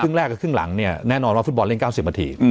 แรกกับครึ่งหลังเนี่ยแน่นอนว่าฟุตบอลเล่น๙๐นาที